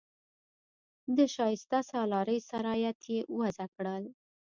د شایسته سالارۍ شرایط یې وضع کړل.